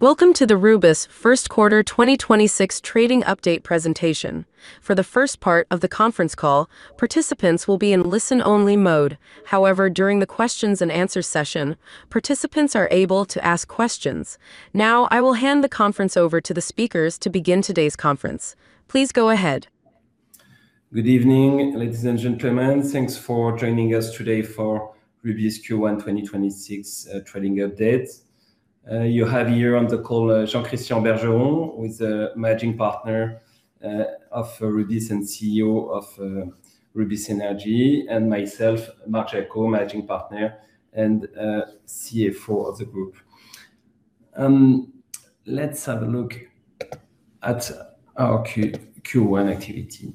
Welcome to the Rubis Q1 2026 trading update presentation. For the first part of the conference call, participants will be in listen-only mode. However, during the questions and answers session, participants are able to ask questions. Now, I will hand the conference over to the speakers to begin today's conference. Please go ahead. Good evening, ladies and gentlemen. Thanks for joining us today for Rubis Q1 2026 trading update. You have here on the call Jean-Christian Bergeron, Managing Partner of Rubis and CEO of Rubis Énergie, and myself, Marc Jacquot, Managing Partner and CFO of the group. Let's have a look at our Q1 activity.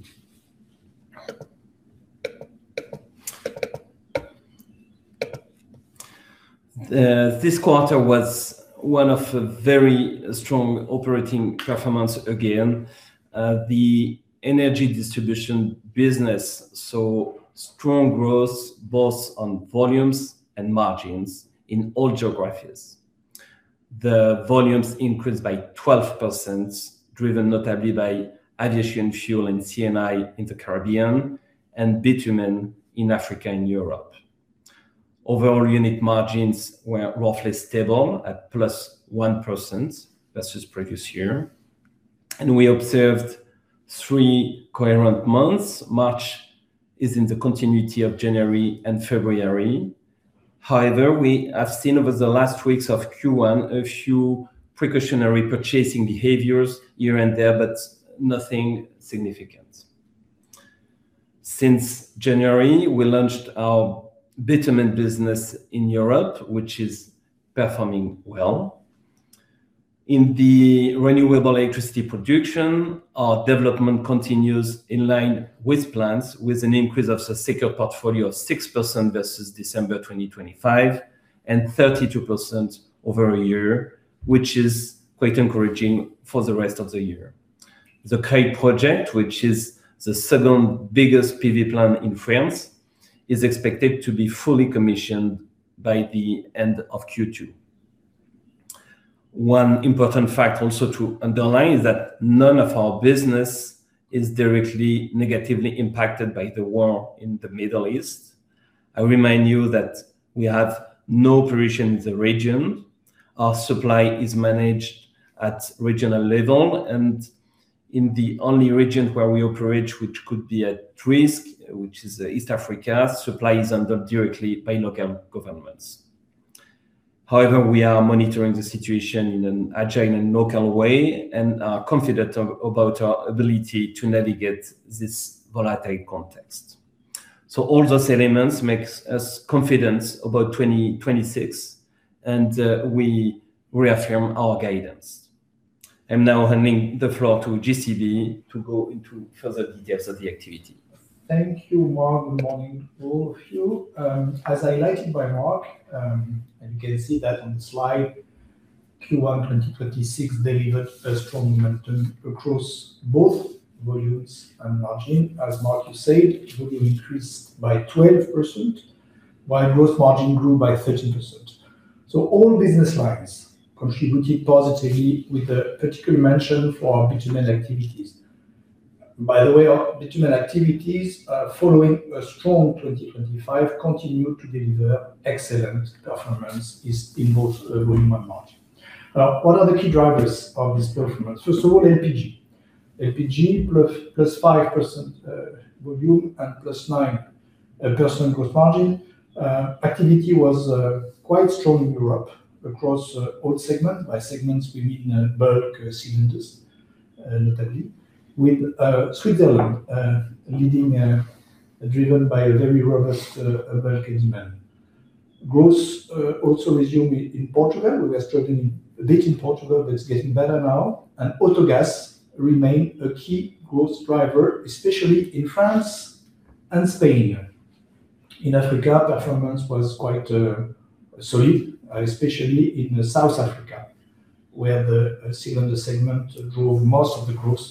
This quarter was one of a very strong operating performance again. The energy distribution business saw strong growth both on volumes and margins in all geographies. The volumes increased by 12%, driven notably by addition fuel in C&I in the Caribbean and bitumen in Africa and Europe. Overall unit margins were roughly stable at +1% versus previous year. We observed three coherent months. March is in the continuity of January and February. However, we have seen over the last weeks of Q1 a few precautionary purchasing behaviors here and there, but nothing significant. Since January, we launched our bitumen business in Europe, which is performing well. In the renewable electricity production, our development continues in line with plans with an increase of the secure portfolio of 6% versus December 2025 and 32% over a year, which is quite encouraging for the rest of the year. The Creil project, which is the 2nd biggest PV plant in France, is expected to be fully commissioned by the end of Q2. One important fact also to underline is that none of our business is directly negatively impacted by the war in the Middle East. I remind you that we have no operation in the region. Our supply is managed at regional level and in the only region where we operate, which could be at risk, which is East Africa, supply is handled directly by local governments. We are monitoring the situation in an agile and local way and are confident about our ability to navigate this volatile context. All those elements makes us confident about 2026, and we reaffirm our guidance. I'm now handing the floor to JCB to go into further details of the activity. Thank you, Marc. Good morning to all of you. As highlighted by Marc, and you can see that on the slide, Q1 2026 delivered a strong momentum across both volumes and margin. As Marc just said, volume increased by 12%, while gross margin grew by 13%. All business lines contributed positively with a particular mention for our bitumen activities. By the way, our bitumen activities, following a strong 2025, continue to deliver excellent performance is in both volume and margin. What are the key drivers of this performance? First of all, LPG. LPG +5% volume and +9% gross margin. Activity was quite strong in Europe across all segment. By segments, we mean, bulk cylinders, notably with Switzerland, leading, driven by a very robust, bulk demand. Growth also resumed in Portugal. We were struggling a bit in Portugal, but it's getting better now. Autogas remain a key growth driver, especially in France and Spain. In Africa, performance was quite solid, especially in South Africa, where the cylinder segment drove most of the growth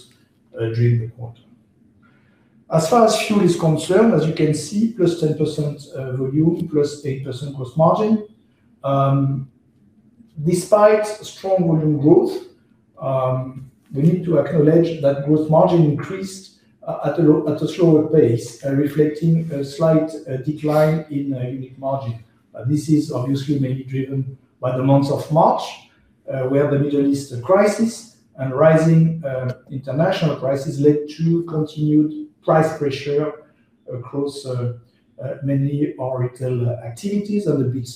during the quarter. As far as fuel is concerned, as you can see, +10% volume, +8% gross margin. Despite strong volume growth, we need to acknowledge that gross margin increased at a slower pace, reflecting a slight decline in unit margin. This is obviously mainly driven by the months of March, where the Middle East crisis and rising international crisis led to continued price pressure across many retail activities and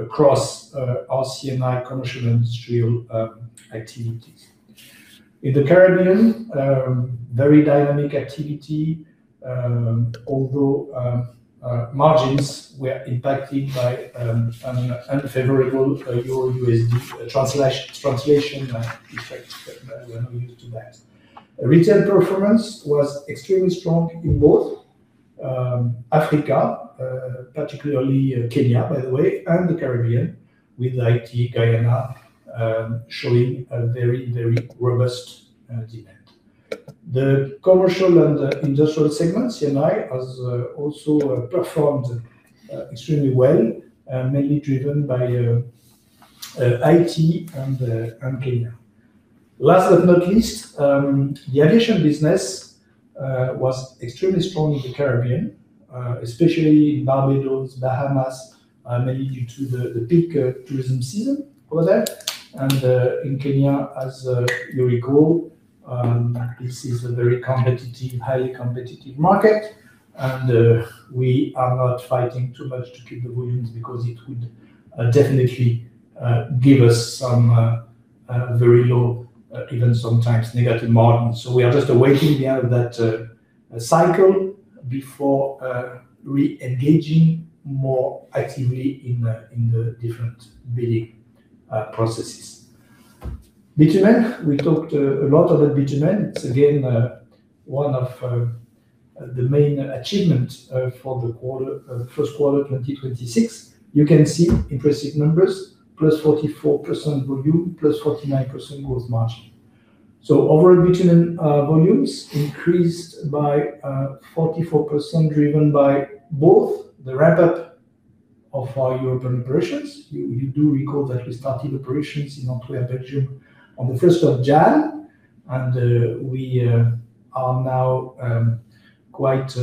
across our C&I commercial industrial activities. In the Caribbean, very dynamic activity, although margins were impacted by an unfavorable Euro-USD translation effect that we are not used to that. Retail performance was extremely strong in both Africa, particularly Kenya, by the way, and the Caribbean with Haiti, Guyana, showing a very robust demand. The commercial and industrial segments, C&I, has also performed extremely well, mainly driven by Haiti and Kenya. Last but not least, the aviation business was extremely strong in the Caribbean, especially in Barbados, Bahamas, mainly due to the peak tourism season over there. In Kenya, as you recall, this is a very competitive, highly competitive market and we are not fighting too much to keep the volumes because it would definitely give us some very low, even sometimes negative margins. We are just awaiting the end of that cycle before re-engaging more actively in the different bidding processes. Bitumen, we talked a lot about bitumen. It's again one of the main achievement for the quarter, Q1 2026. You can see impressive numbers, +44% volume, +49% gross margin. Overall bitumen volumes increased by 44%, driven by both the ramp-up of our European operations. You do recall that we started operations in Antwerp, Belgium on the 1st of January, we are now quite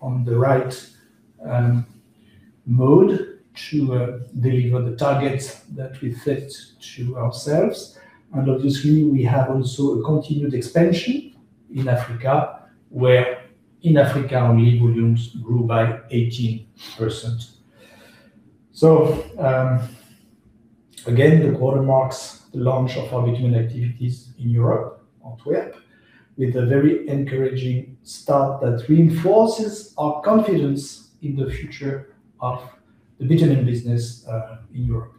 on the right mode to deliver the targets that we set to ourselves. Obviously we have also a continued expansion in Africa, where in Africa only volumes grew by 18%. Again, the quarter marks the launch of our bitumen activities in Europe, Antwerp, with a very encouraging start that reinforces our confidence in the future of the bitumen business in Europe.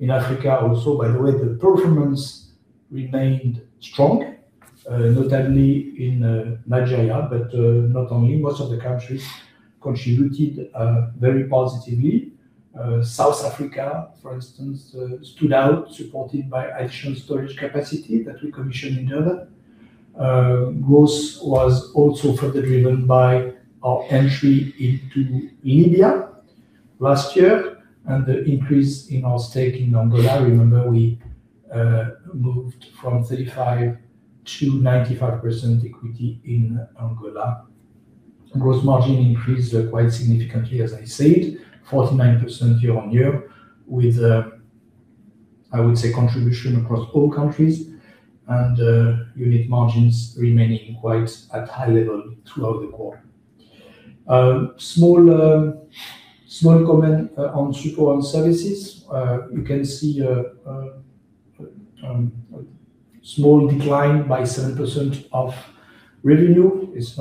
In Africa also, by the way, the performance remained strong, notably in Nigeria, but not only. Most of the countries contributed very positively. South Africa, for instance, stood out supported by additional storage capacity that we commissioned in Durban. Growth was also further driven by our entry into India last year and the increase in our stake in Angola. Remember we moved from 35 to 95% equity in Angola. Gross margin increased quite significantly, as I said, 49% year-on-year with, I would say, contribution across all countries and unit margins remaining quite at high level throughout the quarter. Small comment on support and services. You can see a small decline by 7% of revenue. It's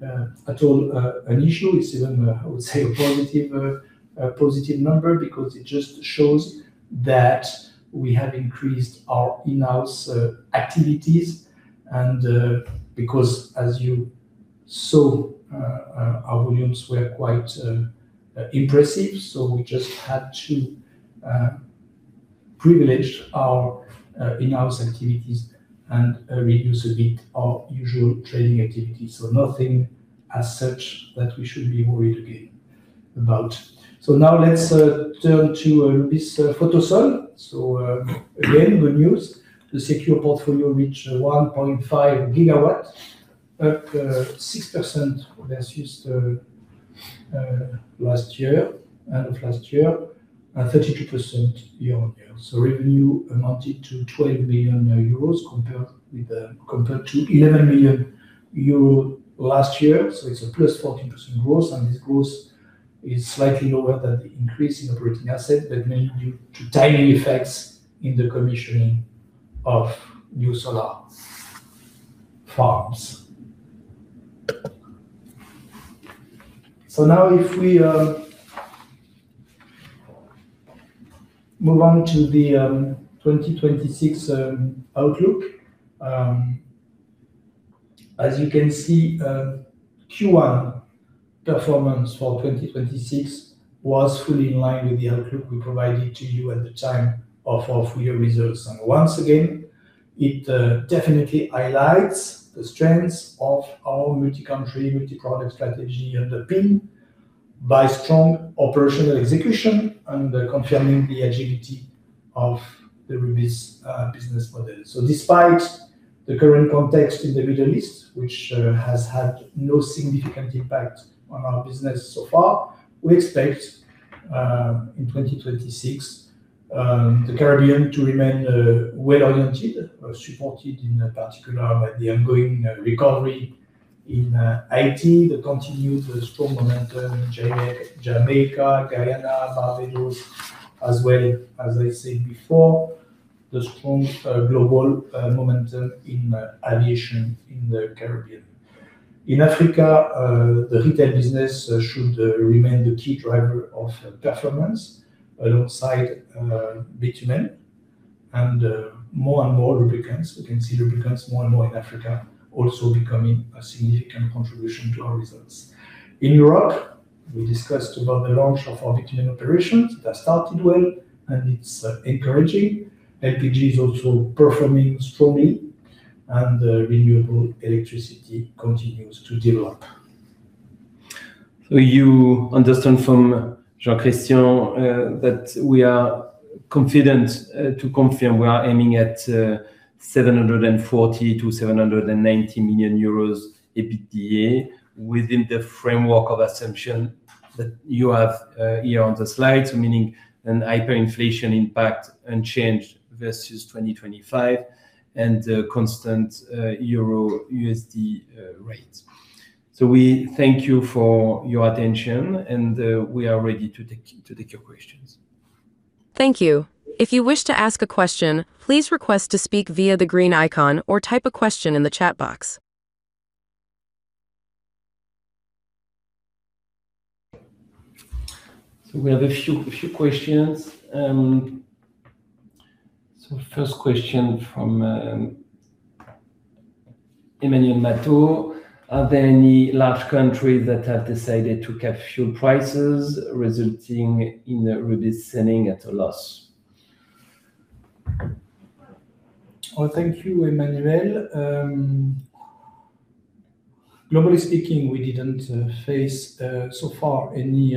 not at all an issue. It's even, I would say a positive, a positive number because it just shows that we have increased our in-house activities and because as you saw, our volumes were quite impressive, so we just had to privilege our in-house activities and reduce a bit our usual trading activity. Nothing as such that we should be worried again about. Now let's turn to this Photosol. Again, good news. The secure portfolio reached 1.5 GW, up 6% versus the last year, end of last year, and 32% year on year. Revenue amounted to 12 billion euros compared to 11 billion euro last year. It's a +14% growth, and this growth is slightly lower than the increase in operating asset that mainly due to timing effects in the commissioning of new solar farms. Now if we move on to the 2026 outlook, as you can see, Q1 performance for 2026 was fully in line with the outlook we provided to you at the time of our full year results. Once again, it definitely highlights the strengths of our multi-country, multi-product strategy underpinned by strong operational execution and confirming the agility of the Rubis business model. Despite the current context in the Middle East, which has had no significant impact on our business so far, we expect in 2026 the Caribbean to remain well-oriented, supported in particular by the ongoing recovery in Haiti, the continued strong momentum in Jamaica, Guyana, Barbados, as well as I said before, the strong global momentum in aviation in the Caribbean. In Africa, the retail business should remain the key driver of performance alongside bitumen and more and more lubricants. We can see lubricants more and more in Africa also becoming a significant contribution to our results. We discussed about the launch of our bitumen operations. That started well, and it's encouraging. LPG is also performing strongly, and renewable electricity continues to develop. You understand from Jean-Christian Bergeron that we are confident to confirm we are aiming at 740 million-790 million euros EBITDA within the framework of assumption that you have here on the slides, meaning an hyperinflation impact unchanged versus 2025 and a constant euro-USD rate. We thank you for your attention and we are ready to take your questions. Thank you. If you wish to ask a question, please request to speak via the green icon or type a question in the chat box. We have a few questions. First question from Emmanuel Mathieu. Are there any large countries that have decided to cap fuel prices resulting in Rubis selling at a loss? Oh, thank you, Emmanuel Mathieu. Globally speaking, we didn't face so far any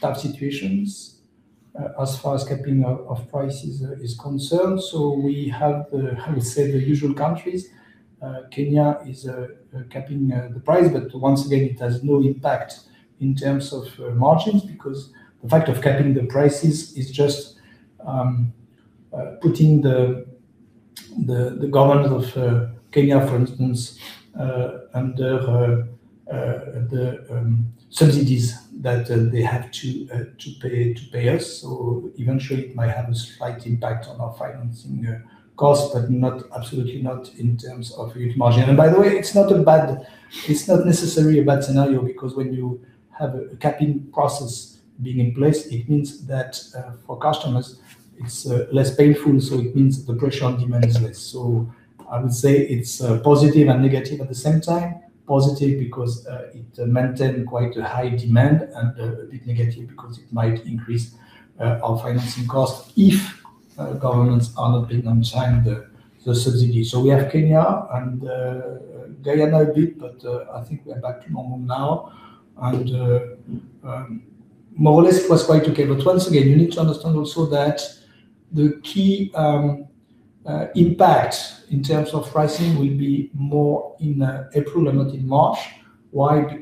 tough situations as far as capping of prices is concerned. We have, how we say, the usual countries. Kenya is capping the price, but once again, it has no impact in terms of margins because the fact of capping the prices is just putting the government of Kenya, for instance, under the subsidies that they have to pay us. Eventually it might have a slight impact on our financing cost, but not, absolutely not in terms of unit margin. By the way, it's not necessarily a bad scenario because when you have a capping process being in place, it means that for customers it's less painful, so it means the pressure on demand is less. I would say it's positive and negative at the same time. Positive because it maintain quite a high demand, and a bit negative because it might increase our financing cost if governments are not being on time with the subsidy. We have Kenya and Guyana a bit, but I think we are back to normal now. More or less it was quite okay. Once again, you need to understand also that the key impact in terms of pricing will be more in April and not in March. Why?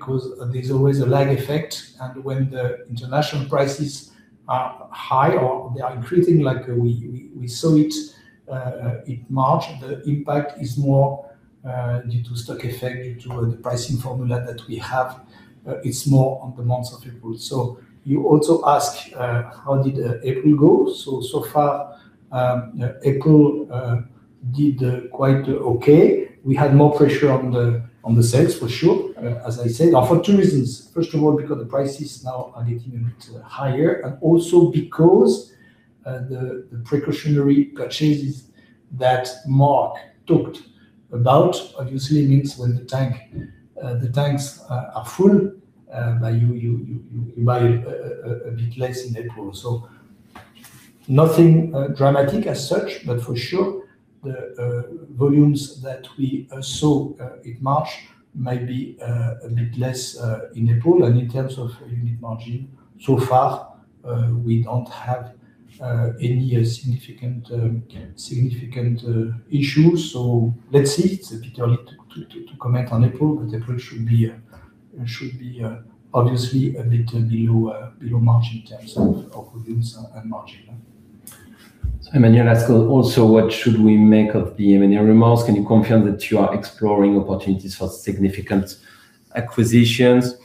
There's always a lag effect, and when the international prices are high or they are increasing like we saw it in March, the impact is more due to stock effect, due to the pricing formula that we have. It's more on the month of April. You also asked how did April go. So far, April did quite okay. We had more pressure on the sales for sure, as I said. For two reasons. First of all, because the prices now are getting a bit higher, and also because the precautionary purchases that Marc talked about. Obviously it means when the tanks are full, you buy a bit less in April. Nothing dramatic as such, but for sure the volumes that we saw in March might be a bit less in April. In terms of unit margin, so far, we don't have any significant issues. Let's see. It's a bit early to comment on April, but April should be obviously a bit below March in terms of volumes and margin. Emmanuel asks also what should we make of the M&A remarks? Can you confirm that you are exploring opportunities for significant acquisitions?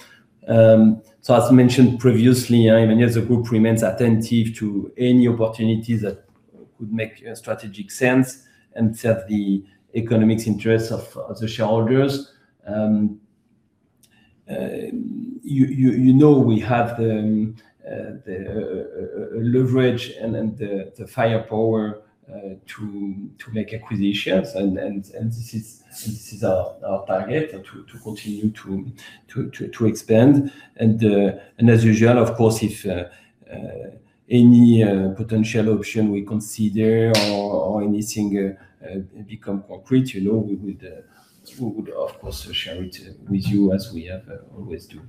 As mentioned previously, Emmanuel, the group remains attentive to any opportunities that could make strategic sense and serve the economic interest of the shareholders. You know we have the leverage and the firepower to make acquisitions and this is our target to continue to expand. As usual, of course, if any potential option we consider or anything become concrete, you know, we would of course share it with you as we have always do.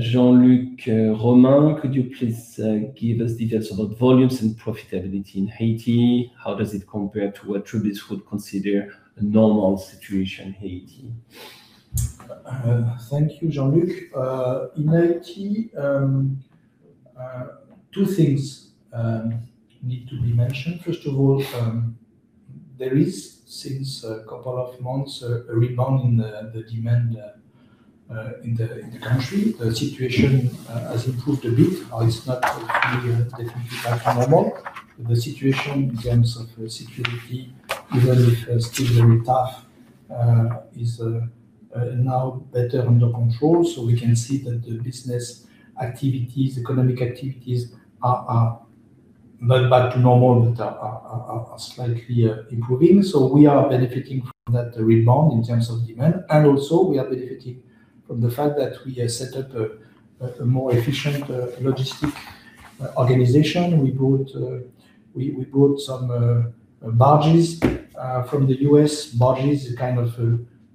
Jean-Luc Romain, could you please give us details about volumes and profitability in Haiti? How does it compare to what Rubis would consider a normal situation Haiti? Thank you, Jean-Luc. In Haiti, 2 things need to be mentioned. First of all, there is since a couple of months a rebound in the demand in the country. The situation has improved a bit, it's not completely definitely back to normal. The situation in terms of security, even if still very tough, is now better under control, so we can see that the business activities, economic activities are not back to normal, but are slightly improving. We are benefiting from that rebound in terms of demand. Also we are benefiting from the fact that we have set up a more efficient logistic organization. We bought some barges from the U.S. Barges are kind of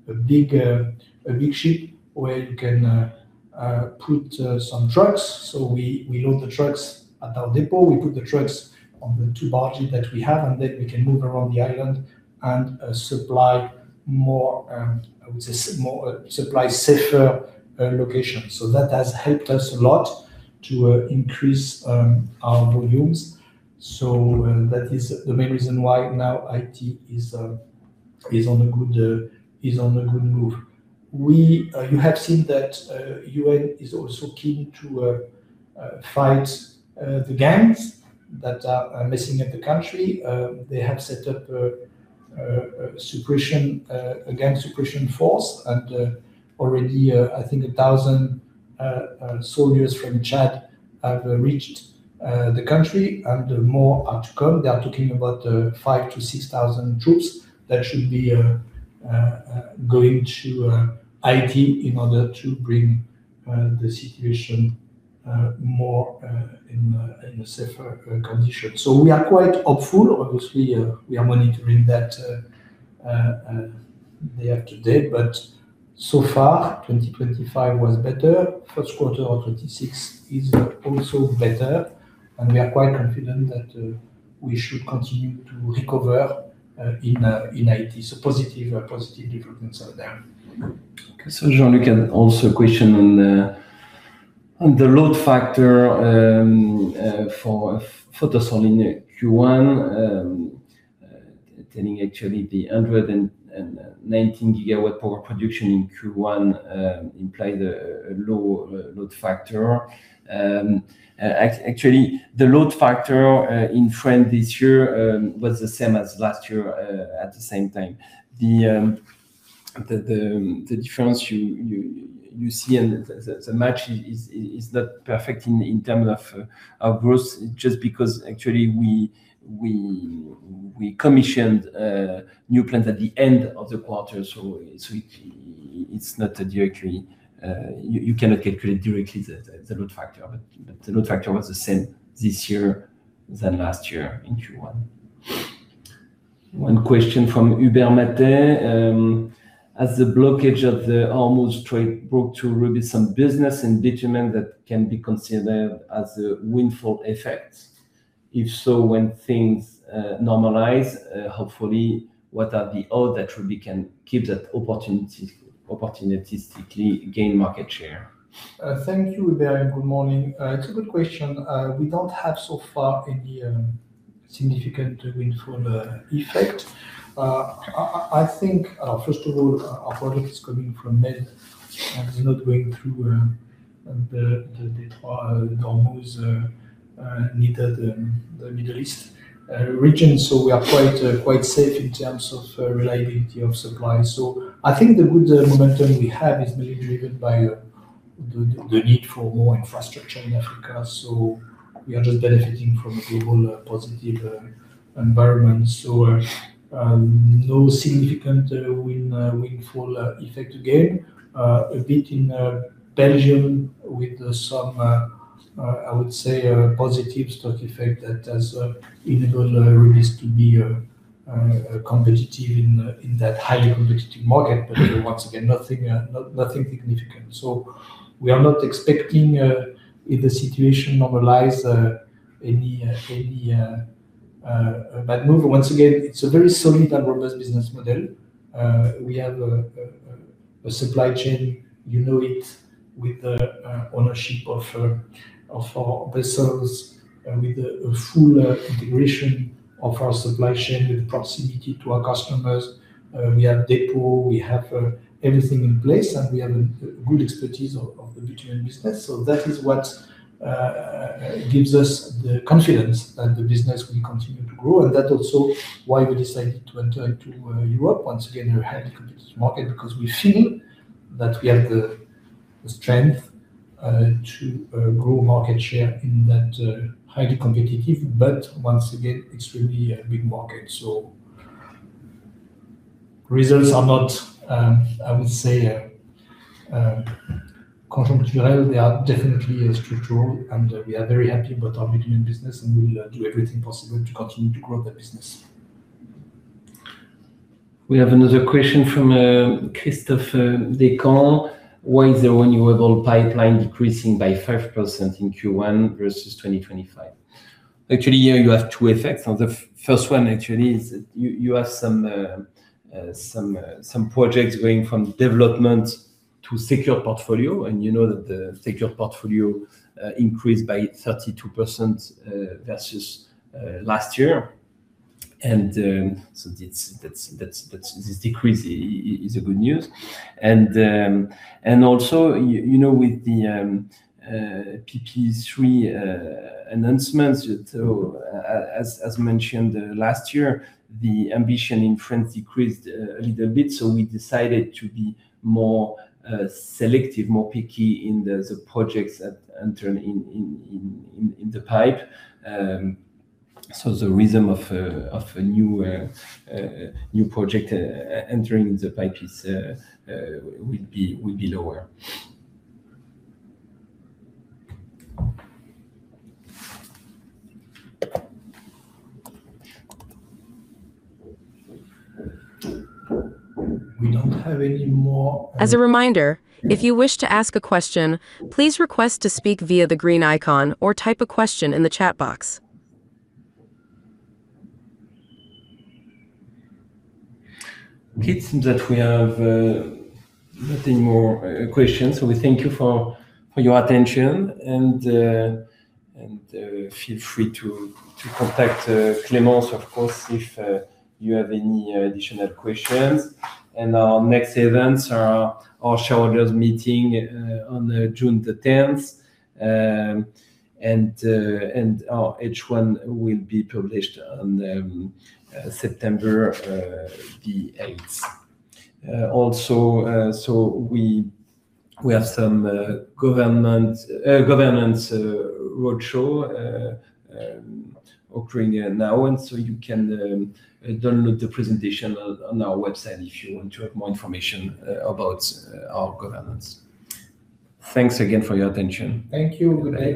a big ship where you can put some trucks. We load the trucks at our depot, we put the trucks on the two barges that we have, and then we can move around the island and supply more, I would say more supply safer locations. That has helped us a lot to increase our volumes. That is the main reason why now Haiti is on a good, is on a good move. We, you have seen that UN is also keen to fight the gangs that are messing up the country. They have set up a suppression, a gang suppression force. Already, I think 1,000 soldiers from Chad have reached the country, and more are to come. They are talking about 5,000-6,000 troops that should be going to Haiti in order to bring the situation more in a safer condition. We are quite hopeful. Obviously, we are monitoring that day after day, but so far, 2025 was better. Q1 2026 is also better, and we are quite confident that we should continue to recover in Haiti. Positive, positive developments are there. Okay. Jean, you can also question on the load factor for Photosol in Q1, attending actually the 119 gigawatt-hour production in Q1, implied a low load factor. Actually the load factor in France this year was the same as last year at the same time. The difference you see and the match is not perfect in terms of growth just because actually we commissioned new plants at the end of the quarter. You cannot calculate directly the load factor. The load factor was the same this year than last year in Q1. One question from Hubert Matet. Has the blockage of the Hormuz trade route to Rubis some business in bitumen that can be considered as a windfall effect? If so, when things normalize, hopefully, what are the odds that Rubis can keep that opportunistically gain market share? Thank you Hubert, good morning. It's a good question. We don't have so far any significant windfall effect. I think, first of all, our products coming from Med and they're not going through the Hormuz, neither the Middle East region. We are quite safe in terms of reliability of supply. I think the good momentum we have is mainly driven by the need for more infrastructure in Africa. We are just benefiting from a global positive environment. No significant windfall effect to gain. A bit in Belgium with some, I would say a positive stock effect that has enabled Rubis to be competitive in that highly competitive market. Once again, nothing significant. We are not expecting, if the situation normalize, any bad move. Once again, it's a very solid and robust business model. We have a supply chain, you know it, with the ownership of our vessels and with a full integration of our supply chain, with proximity to our customers. We have depot, we have everything in place, and we have a good expertise of the bitumen business. That is what gives us the confidence that the business will continue to grow. That also why we decided to enter into Europe. Once again, a highly competitive market because we feel that we have the strength to grow market share in that highly competitive, but once again, extremely big market. Results are not, I would say, countermaterial. They are definitely structural, and we are very happy about our bitumen business, and we'll do everything possible to continue to grow that business. We have another question from Christopher De La Serna. Why is the renewable pipeline decreasing by 5% in Q1 versus 2025? Here you have two effects, the first one actually is you have some projects going from development to secure portfolio. You know that the secure portfolio increased by 32% versus last year. That's This decrease is a good news. You know, with the PPE3 announcements, as mentioned last year, the ambition in France decreased a little bit. We decided to be more selective, more picky in the projects that enter in the pipe. The rhythm of a new project entering the pipe will be lower. We don't have any more. As a reminder, if you wish to ask a question, please request to speak via the green icon or type a question in the chat box. It seems that we have nothing more question. We thank you for your attention and feel free to contact Clemence, of course, if you have any additional questions. Our next events are our shareholders meeting on June the 10th. Our H1 will be published on September the 8th. Also, we have some, government, governance, roadshow, occurring now. You can download the presentation on our website if you want to have more information about our governance. Thanks again for your attention. Thank you. Good day.